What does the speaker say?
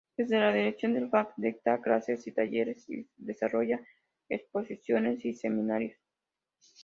Desde la dirección del fac dicta clases y talleres y desarrolla exposiciones y seminarios.